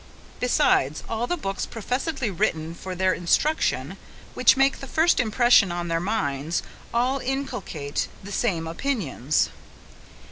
Besides, all the books professedly written for their instruction, which make the first impression on their minds, all inculcate the same opinions.